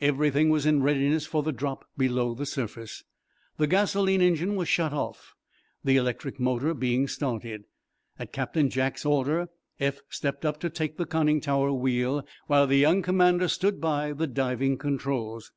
Everything was in readiness for the drop below the surface. The gasoline engine was shut off, the electric motor being started. At Captain Jack's order Eph stepped up to take the conning tower wheel, while the young commander stood by the diving controls.